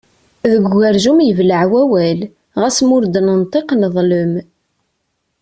Deg ugerjum yebleɛ wawal, ɣas ma ur d-nenṭiq neḍlem.